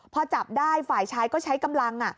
พอจับได้ฝ่ายชายก็ใช้กำลัง